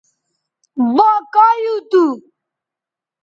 با کاں یُو تھو